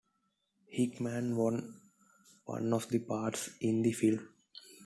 Hickman won one of the parts in the film.